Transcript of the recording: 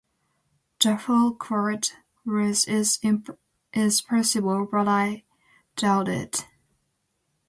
The full quote was It's possible, but I doubt it.